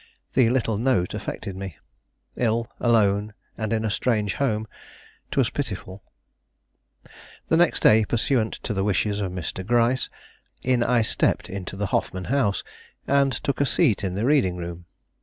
The little note affected me. Ill, alone, and in a strange home, 'twas pitiful! The next day, pursuant to the wishes of Mr. Gryce, in I stepped into the Hoffman House, and took a seat in the reading room.